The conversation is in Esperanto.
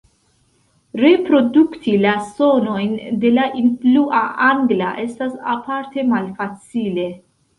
Reprodukti la sonojn de la influa angla estas aparte malfacile.